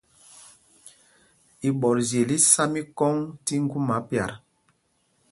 Iɓɔtzyel í ɛsá mikɔŋ tí ŋguma pyat.